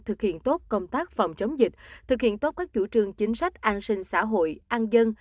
thực hiện tốt công tác phòng chống dịch thực hiện tốt các chủ trương chính sách an sinh xã hội an dân